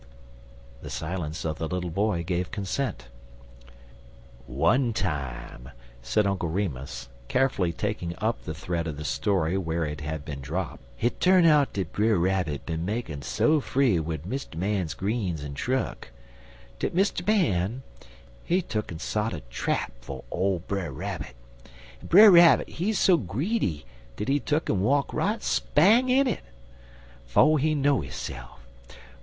The silence of the little boy gave consent. "One time," said Uncle Remus, carefully taking up the thread of the story where it had been dropped, "hit turn out dat Brer Rabbit bin makin' so free wid Mr. Man's greens en truck dat Mr. Man, he tuck'n sot a trap for Brer Rabbit, en Brer Rabbit he so greedy dat he tuck'n walk right spang in it, 'fo' he know hisse'f.